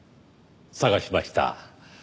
捜しました。